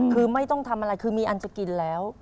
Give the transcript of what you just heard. คือไม่ต้องทำอะไรคือมีอันจะกินแล้ว